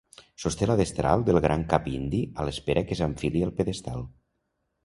Sosté la destral del gran cap indi a l'espera que s'enfili al pedestal.